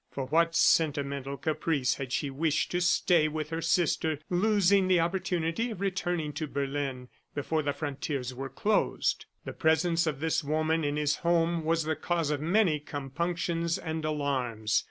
For what sentimental caprice had she wished to stay with her sister, losing the opportunity of returning to Berlin before the frontiers were closed? The presence of this woman in his home was the cause of many compunctions and alarms.